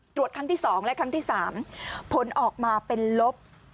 ตรวจครั้งที่๒และครั้งที่๓ผลออกมาเป็นลบ